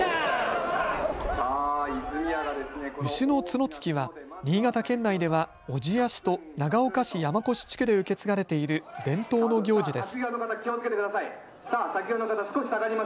牛の角突きは新潟県内では小千谷市と長岡市山古志地区で受け継がれている伝統の行事です。